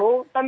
oh iya tentu